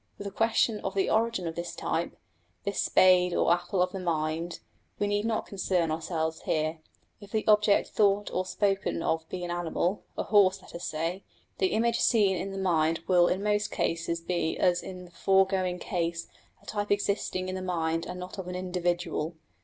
With the question of the origin of this type, this spade or apple of the mind, we need not concern ourselves here. If the object thought or spoken of be an animal a horse let us say, the image seen in the mind will in most cases be as in the foregoing case a type existing in the mind and not of an individual.